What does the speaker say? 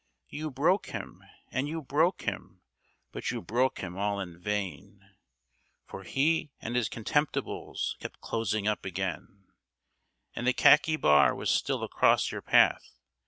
You broke him, and you broke him, but you broke him all in vain, For he and his contemptibles kept closing up again, And the khaki bar was still across your path.